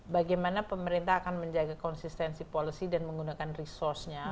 bagaimana pemerintah akan menjaga konsistensi polisi dan menggunakan resourcenya